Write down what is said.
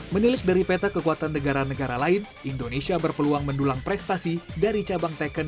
menilai dari peta kekuatan negara negara lain indonesia berpeluang mendulang prestasi dari cabang tekken dan pes